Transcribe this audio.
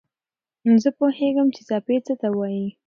زه پوهېږم چې څپې څه ته وايي.